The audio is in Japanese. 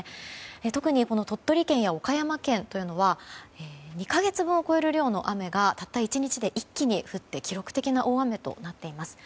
特に、鳥取県や岡山県は２か月分を超える量の雨がたった１日で一気に降って記録的な大雨となっています。